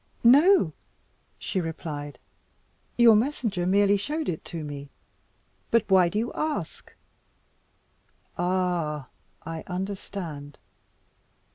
"No!" she replied, "your messenger merely showed it to me. But why do you ask? Ah! I understand.